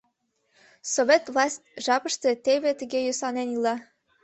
— Совет власть жапыште теве тыге йӧсланен ила.